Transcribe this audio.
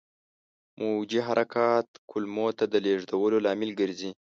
موجي حرکات کولمو ته د لېږدولو لامل ګرځي.